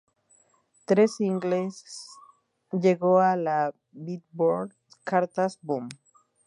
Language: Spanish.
Tres singles llegó a la "Billboard" cartas; "Boom!